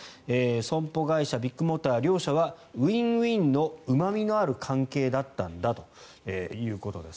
損保会社、ビッグモーター両者はウィンウィンのうまみのある関係だったんだということです。